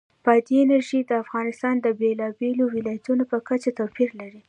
بادي انرژي د افغانستان د بېلابېلو ولایاتو په کچه توپیر لري.